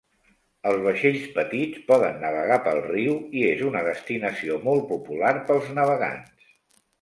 Els vaixells petits poden navegar pel riu i és una destinació molt popular pels navegants.